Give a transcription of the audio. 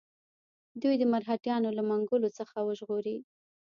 دوی د مرهټیانو له منګولو څخه وژغوري.